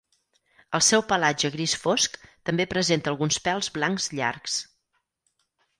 El seu pelatge gris fosc també presenta alguns pèls blancs llargs.